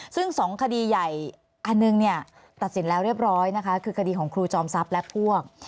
ซึ่งสองคดีใหญ่อันหนึ่งเนี่ยตัดสินแล้วเรียบร้อยนะคะคือคดีของครูจอมทรัพย์และพวก